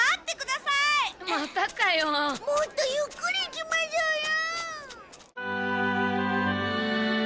もっとゆっくり行きましょうよ！